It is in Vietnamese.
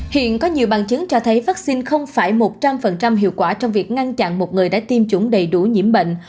hiện có nhiều bằng chứng cho thấy vaccine không phải một trăm linh hiệu quả trong việc ngăn chặn một người đã tiêm chủng đầy đủ nhiễm bệnh